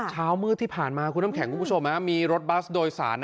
เช้ามืดที่ผ่านมาคุณน้ำแข็งคุณผู้ชมมีรถบัสโดยสาร